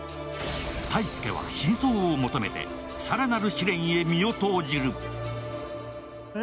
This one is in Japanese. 泰介は真相を求めて、更なる試練に身を投じる。